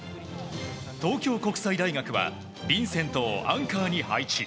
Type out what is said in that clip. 東京国際大学はヴィンセントをアンカーに配置。